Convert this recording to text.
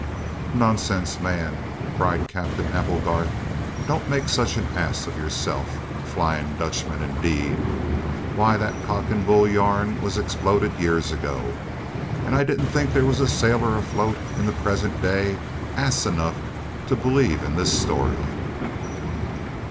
"Nonsense, man!" cried Captain Applegarth. "Don't make such an ass of yourself! Flying Dutchman indeed! Why, that cock and bull yarn was exploded years ago, and I didn't think there was a sailor afloat in the present day ass enough to believe in this story!"